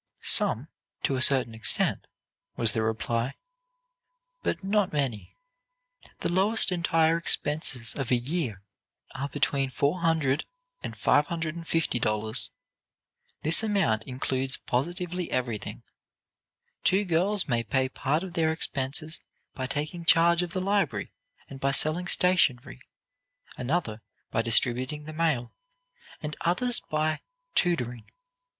"Some, to a certain extent," was the reply; "but not many. The lowest entire expenses of a year, are between four hundred and five hundred and fifty dollars. This amount includes positively everything. Two girls may pay part of their expenses by taking charge of the library, and by selling stationery; another, by distributing the mail, and others by 'tutoring'.